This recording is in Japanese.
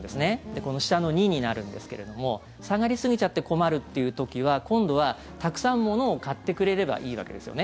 この下の２になるんですけれども下がりすぎちゃって困るっていう時は今度はたくさん物を買ってくれればいいわけですよね。